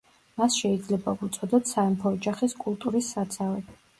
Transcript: მას შეიძლება ვუწოდოთ სამეფო ოჯახის კულტურის საცავი.